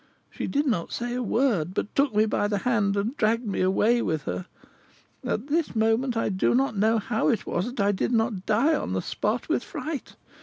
She did not say a word, but took me by the hand and dragged me away with her. At this moment, I do not know how it was that I did not die on the spot with fright.